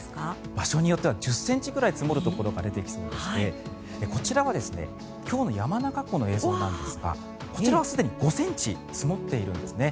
場所によっては１０ｃｍくらい積もるところが出てきそうでしてこちらは今日の山中湖の映像なんですがこちらはすでに５ｃｍ積もっているんですね。